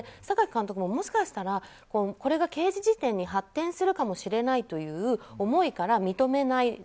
榊監督も、もしかしたらこれが刑事事件に発展するかもしれないという思いから認めない。